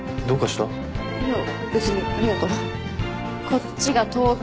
こっちが東京の。